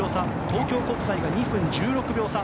東京国際が２分１６秒差。